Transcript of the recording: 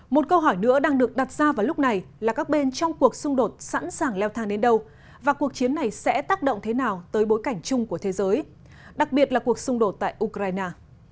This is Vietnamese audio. một câu hỏi nữa đang được đặt ra vào lúc này là các bên trong cuộc xung đột sẵn sàng leo thang đến đâu và cuộc chiến này sẽ tác động thế nào tới bối cảnh chung của thế giới đặc biệt là cuộc xung đột tại ukraine